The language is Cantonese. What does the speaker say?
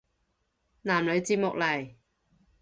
男女節目嚟